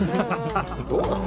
どうなの？